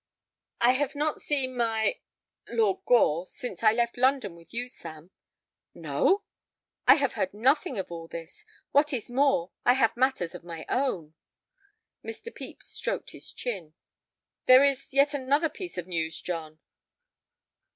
"I have not seen my—Lord Gore since I left London with you, Sam." "No?" "I have heard nothing of all this. What is more, I have had matters of my own." Mr. Pepys stroked his chin. "There is yet another piece of news, John."